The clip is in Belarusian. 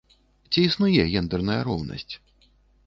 Ці існуе гендэрная роўнасць?